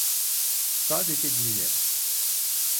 Sadece dinle.